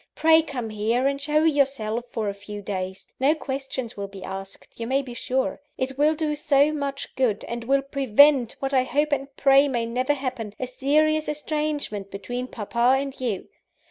Pray come here, and show yourself for a few days no questions will be asked, you may be sure. It will do so much good; and will prevent what I hope and pray may never happen a serious estrangement between papa and you.